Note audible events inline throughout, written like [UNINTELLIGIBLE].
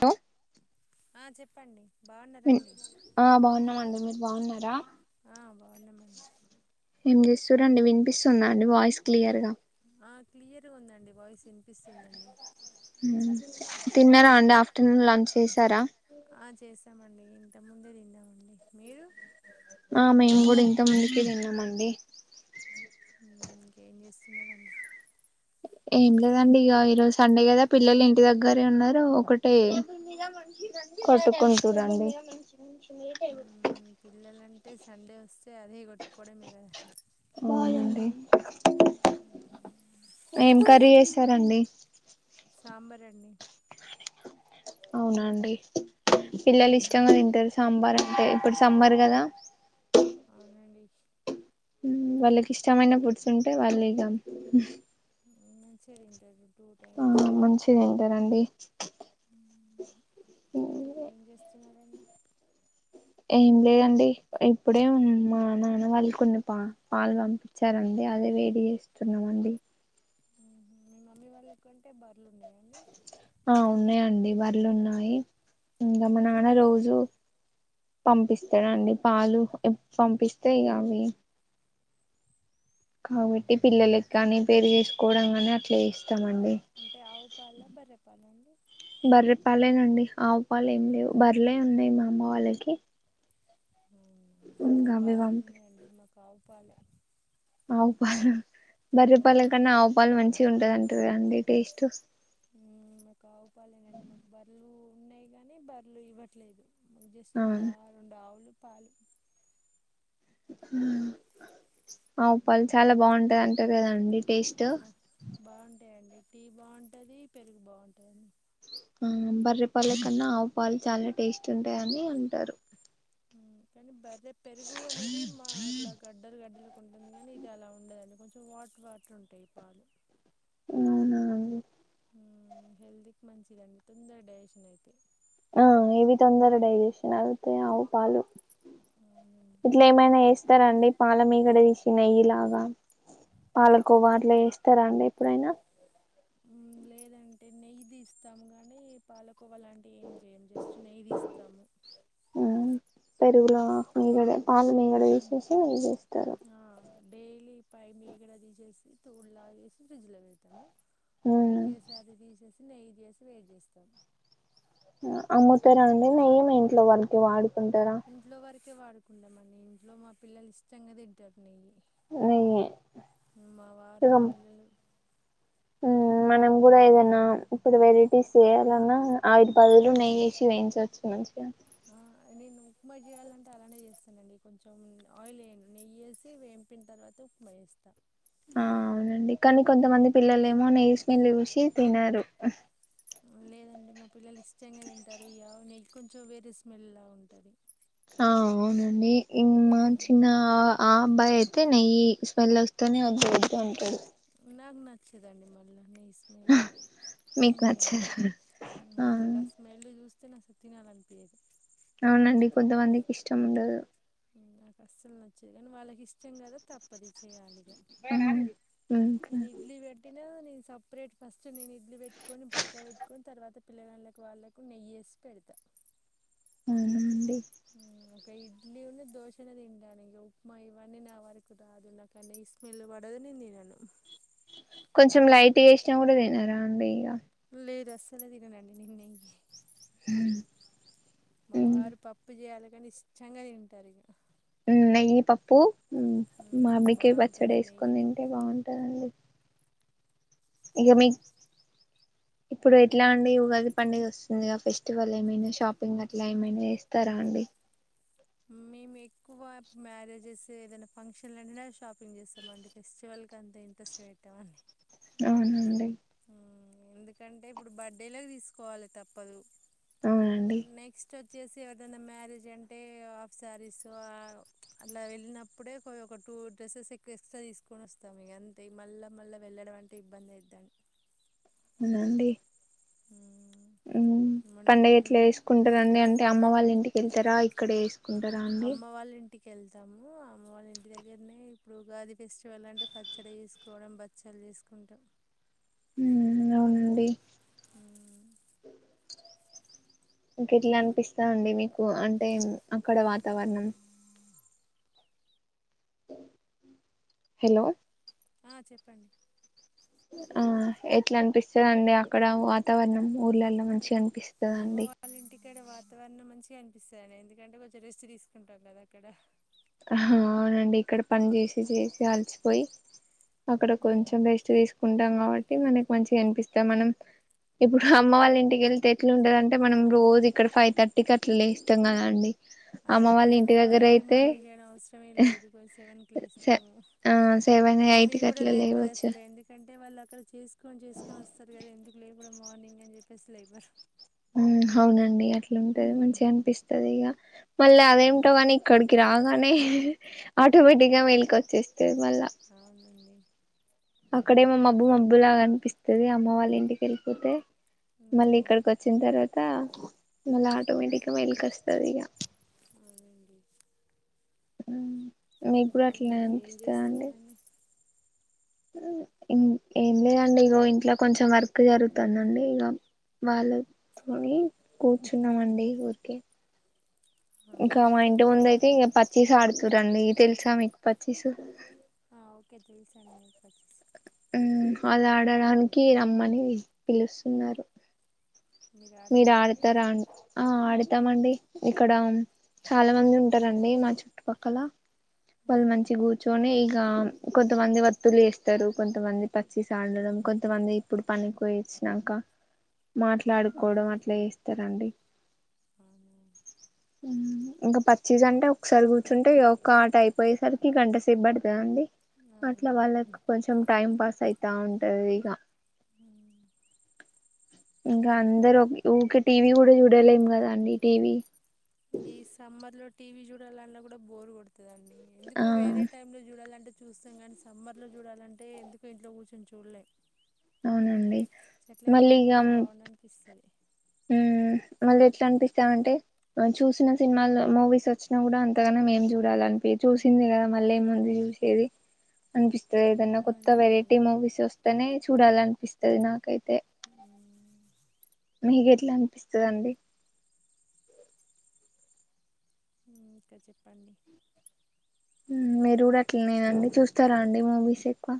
Hello ఆ చె చెప్పండి బాగున్నారండి ఆ బాగున్నామ అండి మీరు బాగున్నా అ బాగున్నామండి ఏం చేస్తారండి వినిపిస్తున్నా అండి వాయిస్ క్లియర్ గా క్లియర్గా ఉందండి వాయిస్ వినిపిస్తుందండి మ్ తిన్నారా అండి ఆఫ్టర్నూన్ లంచ్ చేసారా ఆ చేసి మీరు ఆ మేము కూడా ఇంత ముందుకే తిన్నామండి ంక ఇం చేస్తున్నారండి ఏం లేదండి ఇక ఈరోజు సండే కదా పిల్లలు ఇంటి దగ్గరే ఉన్నారు, ఒకటే కొట్టుకుంటుడండి కొంచెం లేటయింది అంటే సండే వస్తే అదే కొట్టుకోవడం మీరుద ఆజ అంది మ్మ్, ఏం కర్రీ చేసారండి సాంబార్ండి అవునండి పిల్లలు ఇష్టంగా తింటారు సాంబార్ అంటే ఇప్పుడు సమ్మర్ కదా అవునండి వాళ్ళకి ఇష్టమైన పుడ్స్ ఉంటే వాళ్ళు ఇగ మంచి ఇంటర్వ్యూ ఆ మంచిది ఇంటరండి ఇంకేం చేస్తున్నారండి ఏం లేదండి ఇప్పుడే మా నాన్న వాళ్ళు కొన్ని పా పాలు పంపించారండి అదే వేడి చేస్తున్నామండి మీ మమ్మీ వాళ్ళకంటే బర్లు ఉండే ఆ ఉన్నాయండి బర్లు ఉన్నాయి ఇంకా మా నాన్న రోజు పంపిస్తాడండి పాలు పంపిస్తే ఇగ అవి కాబట్టి పిల్లలకి కాని పెరుగు చేసుకోవడం కాని చేస్ తమండి అంటే ఆవు పాల బర్రె పాల అండి బర్రె పాలేేనండి ఆవు ఏం లేవు బర్లే ఉన్నాయి మా అమ్మ వాళ్ళకి ఇంకా అవి పంపి [UNINTELLIGIBLE] [UNINTELLIGIBLE] ఆవు పాల్ బర్రెపాల కన్నా ఆవుపాలు మంచిగా ఉంటదంట కదండి టేస్టు మాకు ఆవుపాలేనండి మాకు బర్లు ఉన్నాయి గాని బర్లు ఇవ్వట్లేదు జస్ట్ ఒక అవును రెండు ఆవులు పాలు మ్మ్ ఆవు పాలు చాలా బాగుంటాయి అంటా కదండి టేస్ట్ ఆ బాగుంటాయండి టీ కి బాగుంటది పెరుగు బాగుంటది ఆ బర్రెపాల కన్నా ఆవు పాలు చాలా టేస్ట్ ఉంటాయని అంటారు కానీ బర్ రే పెరుగు అనేది మా అట్లా గడ్డలు [UNINTELLIGIBLE] అలా ఉండదండి కొంచెం వాటర్ వాటర్ ఉంటాయి పాలు మ్మ్ హెల్దీకి మంచిదిండి తొందర డైజెషన్ అయితే ఆ ఇవి తొందర డైజెషన్ అయితే అవు పాలు అవునండి ఇట్లా ఏమైనా వేస్తారండి పాల మీ గడ తీసి నెయ్యి లాగా పాలకోవా అట్లా వేస్తారా అండి ఎప్పుడైనా లేదంటే నెయ్యిదీస్తాం గానీ పాల కువలాంటివి ఏం చేయము జస్ట్ నెయ్యి తీస్తాం ఉంది గదా పాల మీగడ యూస్ చేసి [UNINTELLIGIBLE] చేస్తారు ఆ, డైలీ పై మీగడ తీసేసి తోళ్లా ఏసి ఫ్రిజ్ లో పెడ్తాము ఉమ్, ఓకే సారి తీసేస్ నెయ్యి చేసి వేడి చేస్తాం అమ్ముతారా అండి నెయ్యిని ఇంట్లో వరకి వాడు తుంటారా కే వాడుకుంటామండి ఇంట్లో మా పిల్లలు ఇష్టంగా తింటారు నెయ్యి నెయ్యి మా ఇగ వారు పిల్లలు మ్మ్ మనం కూడా ఏదైనా ఇప్పుడు వెరైటీస్ చెయ్యాలన్నా ఆయిల్ బదులు నెయ్యేసి వేయించచ్చు మంచిగా ఆ నేను ఉప్మా చేయాలంటే అలానే చేస్తానండి కొంచెం ఆయిల్ ఎయ్యను నెయ్యేసి వేంపిన తర్వాత ఉప్మా చేస్తా ఆ అవునండి కానీ కొంతమంది పిల్లలేమో నెయ్యిస్ పెన్లుగూషి తినరు లేదండి మా పిల్లలు ఇష్టంగా తింటారు ఈ ఆవు నెయ్యి కొంచెం వేరే స్మెల్ లా ఉంటది అవునండి ఇ మా చిన ఆ అబ్బాయి అతే నెయ్యి స్మెల్ వస్తానే వద్దు వదు అంటాడు నాగ నచ్చిదండి మళ్ళా స్మెల్ మీకు నేను తినను నచ్చదు ఊహూ నాకు ఆ స్మెల్ చూస్ సే నస తినాలన్పియ్యదు అవునండి కొంతమందికి ఇష్టం ఉండదు నాకు అస్సలు నచ్చేది కానీ వాళ్ళకి ఇష్టం కదా తప్పదు చేయాలి ఇక మ్ ఇంకా నేను ఇడ్లీ పెట్టినా నేను సపరేట్ ఫస్ట్ నేను ఇడ్లు పెట్టుకొని పక్క పెట్టుకొని, తర్వాత పిల్లవాళ్ళకి వాళ్ళకు నెయ్యేసి పెడతా ఉండి ఇంకా ఇడ్లీ ఉన్న దోశ అనే తిండాను ఇంకా ఉప్మా ఇవన్నీ నా వరకు రాదు నాకు అన్న స్మెల్ పడదు నేను తినను కొంచెం లైట్ వేసినా కూడా తినారా అండి ఇక లే ద సలుదిినండి ని హ మా వారు పప్పు చేయాలి కాని ఇష్టంగా తింటారు ఇక న పప్పుూ మామిడికి పచ్చడి బాగుంటుంది నెయ్యి వేసుకొని తింటే పప్పు బాగుంటందండి ఇక మీ ఇప్పుడు ఎట్లా అండి ఉగాది పండుగ వస్తుంది, ఫెస్టివల్ ఏమైనా షాపింగ్ అట్లా ఏమైనా ఇస్తారా అండి. మేము ఎక్కువ మ్యారేజెస్ ఏదైనా ఫంక్షన్లు అంటే షాప్ చేస్తామండి ఫెస్టివల్ అంత ఇంట్రెస్ట్ పెట్టావాని అవునండి ఎందుకంటే ఇప్పుడు బర్త్డేలోకి తీసుకోవాలి తప్పదు అవునండి నెక్స్ట్ వచ్చేసి ఎవరనా మ్యారేజ్ అంటే హాఫ్ శారీస్ అ అలా వెళ్ళినప్పుడే, ఒక టూ డ్రెస్సెస్ ఎక్కువ ఎక్స్ట్రా తీసుకొని వస్తాం ఇక అంతే, మళ్ళా మళ్ళీ వెళ్ళడం అంటే ఇబ్బంది అవుద్దండి. అవునండి హ పండగ ఎట్లా వేసుకుంటారంండి అంటే అమ్మ వాళ్ళ ఇంటికి ఎంతరా ఇక్కడే చకుంటారా అండి అమ్మ వాళ్ళ ఇంటికి వెళ్తాము అమ్మ వాళ్ళ ఇంటి దగ్గరనే ఇప్పుడు గాది ఫెస్టివల్ అంటే పచ్చడి చేసుకోవడం బచ్చలు చేసుకుంటాం హ అవునండి అ ఇకెట్లా అనిపిస్తా అండి మీకు అంటే అక్కడ వాతావరణం హలో ఆ చెప్పండి ఆ ఎట్లా అనిపిస్తుందిండి అక్కడ వాతావరణం ఊర్లలో మంచిగా అ అమ్మ వాళ్ళ ఇంటికాడ వాతావరణం మంచి అనిపిస్తా ఎందుకంటే కొంచెం రెస్ట్ తీసుకుంటాారు కదా అక్కడ అవునండి ఇక్కడ పని చేసి చేసి అలసిపోయి అక్కడ కొంచెం బెస్ట్ తీసుకుంటాం కాబట్టి మనకి మంచిగా అనిపిస్తాం మనం ఇప్పుడు అమ్మ వాళ్ళ ఇంటికి వెళ్తే ఎట్లు ఉంటదంటే మనం రోజు ఇక్కడ ఫైవ్ థర్టీ క అట్లా లేస్తాం కదా అండి అమ్మ వాళ్ళ ఇంటి దగ్గర అయితే అవసరమ లేదు సేవన్కు స లేస్తాము ఆ సెవెన్ ఎయిట్ మీరు కి కూడా అట్లా లేకపోదు లేవచ్చు అసలు ఎందుకంటే వాళ్ళలక్కడ చస్ ని చేసుకొని వస్తారు కద ఎందుకు లేదు గుడ్ మార్నింగ్ అని చెప్పేసిలైబర్ ఉ అవునండి అట్లాంటది మంచిగా అనిపిస్తుంది ఇక మళ్ళీ అదేమింటో కాని అక్కడికి రాగానే ఆటోమేటిక్ గా మేలికి వచ్చేస్తంది త మల అవునండి అక్కడే మా మబ్బు మబ్బు లాగా అనిపిస్తది, అమ్మ వాళ్ళ ఇంటికి వెళ్ళిపోతే మళ్ళీ ఉమ్. ఇక్కడకి వచ్చిన తర్వాత మళ ఆటోమేటిక్గా మెల్కస్తది ఇక అవునండి అ మీకు కూడా అట్లానే ఇంకేం అనిపిస్తంద అండి చేస్తున్నారండి ఏం లేదండి ఇగో ఇంట్లో కొంచెం వర్క్ జరుగుతుందండి ఇక వాళ్ళతో కూర్చున్నామండి ఊరికే ఇంకా అవునా మా ఇంటి ముందు అయితే ఇంకా పత్ పచ్చిసి ఆడుతూ రండి తెలుసా మీకు పచ్చిసు ఆ ఓకే తెలుసాండి మీకు ప ఆ అది ఆడడానికి రమ్మని పిలుస్తున్నారు మీరు ఆడతారా అ ఆ ఆడ తామండి ఇక్కడ చాలా మంది ఉంటారండి మా చుట్టుపక్కల అవును వాళ్ మంచిగ గూచ్చోనీ ఈ ఇంకా కొంతమంది వత్తులు చేస్తారు కొంతమంది పచ్చీసాడడం కొంతమంది ఇప్పుడు పనికి వచ్చినాక మాట్లాడు ఉమ్ కోడం అట్లా చేస్తారండి అవును ఇంకా పచ్చీస్ అంటే ఒకసారి కూర్చుంటే ఒక్క ఆట అయిపోయేసరికి గంట సేపు బడతదండి అట్లా అవునండి వాళ్ళకి కొంచెం టైం పాస్ సైతా ఉంటది ఇక ఉమ్. ఇంకా అందరు ఊకే టీవీ కూడా చూడలేం కదా అండి టీవీ ఈ సమ్మర్ లో టీవీ చూడ చూడాలన్నా కూడా బోర్ కొడతుంది ఆ ఎందుకో వేరే టైమ్ లో చూడాలంటే చూస్తాం కానీ సమ్మర్లో చూడాలంటే ఎందుకు ఇంట్లో కూర్చొని చూడలే అవునండి చెట్ల కింది పోతే బాగుందినిపిస్తది మ్ మళ్ళీ ఎట్లా అనిపిస్తామంటే, చూసిన సినిమాల్లో మూవీస్ వచ్చినా కూడా అంతగాన మేం చూడాలనిపి, చూసింది కదా మళ్ళీ ఏముంది చూసేది అనిపిస్తది ఏదన్నా, కొత్త అవునండి వెరైటీ మూవీస్ వస్తేనే చూడాలనిపిస్తుంది నాకైతే ఉమ్, మీకు ఎట్లా అనిపిస్తదండి ఇంకా చెప్పండి మీరు కూడా అట్ల నేనండి చూస్తారా అండి మూవీస్ ఎక్కువ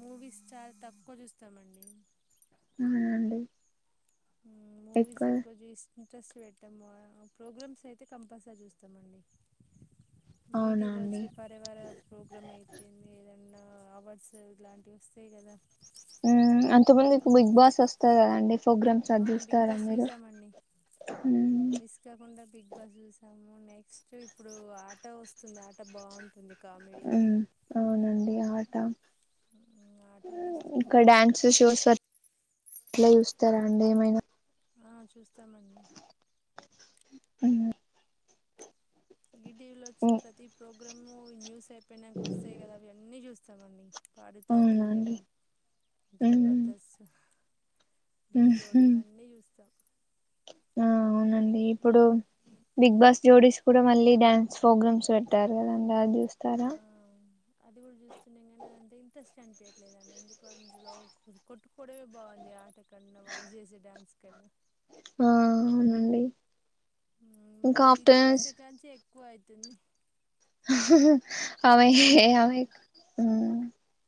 మూవీస్ చాలా తక్కువ చూస్తామండి అవునండి మూవీస్ ఎక్కువ చేసి ఇంట్రెస్ట్ పెట్టాము అ ప్రోగ్రామ్స్ అయితే కంపల్సరీ చూస్తామండి అవునా మీటిలో అండి చే పరివార ప్రోగ్రామ్ అయితే మీద నిన్న అవార్డ్స్ ఇలాంటివి వస్తాయి కదా మ్ అంతమందికు బిగ్ బాస్ వస్తాది కదండి ప్రోగ్రామ్స్ అది ఆ బిగ్ చూస్తారా బాస్ మీరు చూసామండి మ్మ్ మిస్ కాకుండా బిగ్ బాస్ చూసాము నువ్ నెక్స్ట్ ఇప్పుడు ఆట వస్తుంది ఆట బావుంటుంది ఉమ్ అవునండి ఆ ట ఆట ఇక్క చూస్తున్నామండి డ్యాన్స్ షోస్ అట్లా చూస్తారా అండి ఏమైనా అ చూస్తామండి మ్ ఇ టి వి లో వచ్చే ప్రతి ప్రో గుర్రమ్మూవీ న్యూసే పోయునాంకొస్తాయి కదా అవి అన్నీ చూస్తామండి పాడుతా అవునండి తియ్యగా జబర్దస్త్ ఢీ జోడి ఇవన్నీ చూస్ మి ఇప్పుడు బిగ్ బాస్ జోడీస్ కూడా మళ్ళీ డ్యాన్స్ ప్రోగ్రామ్స్ పెట్టారు కదండి అది చూస్ ఆ అది కూడా చూస్తున్నాం గానీ అదంత ఇంట్రెస్ట్ అని పియ్యట్లేదని ఎందుకు అందులో కొట్టుకోవుడే బాగుంది ఆట కన్నా వాళ్ళు చేసే డ్యాన్స్ కన్నా ఆ ఔనండి ఇంకా ఆఫ్టర్స్ క్కవైతుంది అమె హే అమె ఉమ్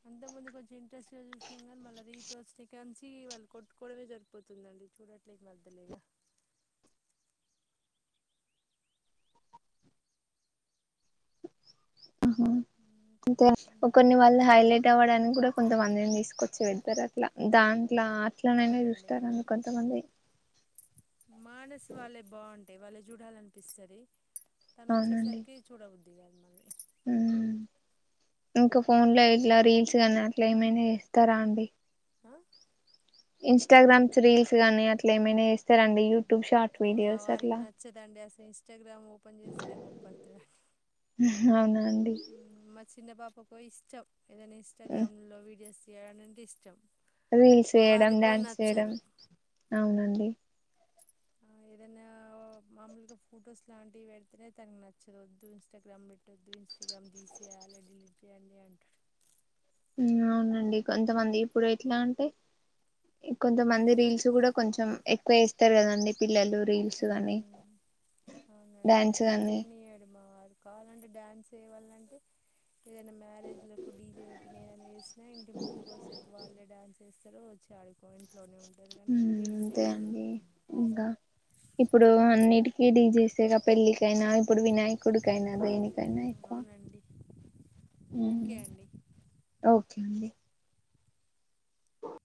అంతకుందు కొంచెం ఇంట్రెస్ట్గా చూసినాం కానీ మళ్ళ రీతు వస్తే కాంచి వాళ్ళు కొట్టుకోవడమే సరిపోతుందండి చూడట్లే ఈ మధ్యలిగ ఊహూ ఇంకా అంతే చెప్పండి కొన్ని వాళ్ళు హైలైట్ అవ్వడానికి కూడా కొంతమం లేం తీసుకొచ్చిపెడతారు అట్లా దాన్ అట్లా అట్ల నైనా అవునండి చూస్తారని కొంతమంది మానసు వాళ్ళయి బావున్ టే వాళ్ళ చూడాలనిపిస్తది తను అవునండి వచ్చేసరికి చూడబుద్ ద్ది కాదు మరి ఇంకా ఫోన్ లో ఇట్లా రీల్స్ కానీ అట్లా ఏమైనా చేస్తారా అండి ఆ ఇన్స్టాగ్రామ్స్ రీల్స్ గాని అట్లా ఏమైనా చేస్తారండి యూ ట్యూబ్ షాప్ వీడియోస్ అట్లా గ్రామ్ ఓపన్ చేస్తనే కోప్పడత [UNINTELLIGIBLE] అవునా అండి మ్ మ చిన్న పాప పో ఇష్టం ఏదైనా ఉమ్, ఇన్స్టాగ్రామ్ లో వీడియోస్ ను ఎంట ఇష్టం రీల్స్ మా చేయడం వారికో డ్యాన్స్ చేయడం నచ్చదు అవునండి ఏదనా మామూలుగా ఫొటోస్ లాంటివి పెడితేనే తనకి నచ్చదు వద్దు ఇంస్టాగ్రామ్ పెట్టొద్దు ఇంస్టాగ్రామ్ తీసేయాలి డిలీట్ చేయాలడి అంటాడు ఉమ్ అవునండి కొంతమంది ఇప్పుడు ఎట్లా అంటే కొంతమంది రీల్స్ కూడా కొంచెం ఎక్కువ చేస్తారు కదండి పిల్లలు రీల్స్ కానీ అవునండి అట్లా చేనీయడు మా వారు కావాలంటే డ్యాన్స్ యేవాళ్నంటే ఏదైనా మ్యారేజ్ లెకు డీజే పెట్టిన ఏదైనా చేేసినా ఇంటి ముందుకుసేపు వాళ్ళే డాన్స్ చేస్తరు వచ్చే ఆడి అంతే అండి ఇంకా ఇప్పుడు అన్నిటికి ఈడజెసేగా పెళ్ళికైనా ఇప్పుడు వినాయకుడికియినా దేనికి అవునండి ఉమ్, ఓకే అండి ఓకే అండి